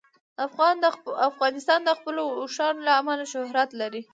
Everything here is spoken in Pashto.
افغانستان د خپلو اوښانو له امله شهرت لري.